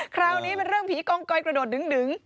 คราวนี้เป็นเรื่องผีกองกอยกระโดดดึง